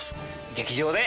劇場で。